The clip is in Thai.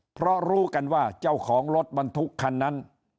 เพราะรู้กันว่าเจ้าของรถบรรทุกคันนั้น